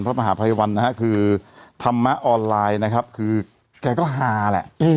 มหาภัยวันนะฮะคือธรรมะออนไลน์นะครับคือแกก็ฮาแหละ